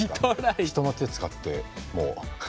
人の手使ってもう。